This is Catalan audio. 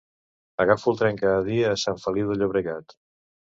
Agafo el tren cada dia a Sant Feliu de Llobregat